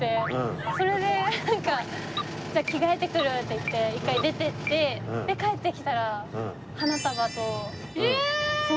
それでなんか「じゃあ着替えてくる」って言って一回出て行ってで帰ってきたら花束とそうなんです。